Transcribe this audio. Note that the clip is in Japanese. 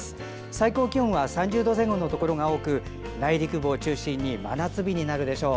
最高気温は３０度前後のところが多く内陸部を中心に真夏日になるでしょう。